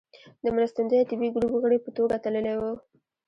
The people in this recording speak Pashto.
د مرستندويه طبي ګروپ غړي په توګه تللی و.